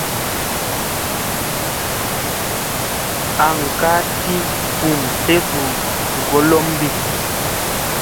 An ka ti hum tlesu golombi.